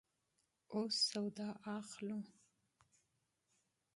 اوس سودا اخلو